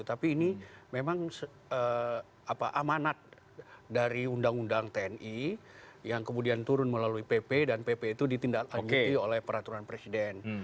tapi ini memang amanat dari undang undang tni yang kemudian turun melalui pp dan pp itu ditindaklanjuti oleh peraturan presiden